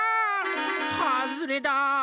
はずれだ！